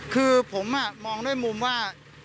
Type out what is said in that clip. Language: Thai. คือผมมองด้วยมุมว่า